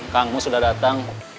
kang mus sudah datang